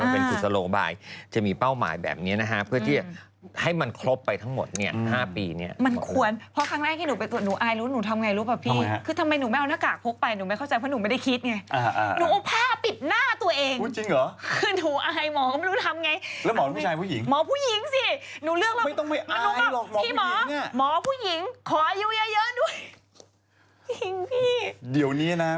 มันเป็นคุณสโลบายจะมีเป้าหมายแบบนี้นะครับเพื่อที่ให้มันครบไปทั้งหมดเนี่ย๕ปีเนี่ย